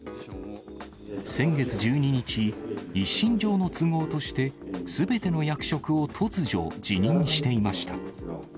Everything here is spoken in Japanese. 先月１２日、一身上の都合として、すべての役職を突如辞任していました。